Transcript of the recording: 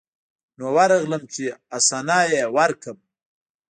نو ورغلم چې حسنه يې وركړم.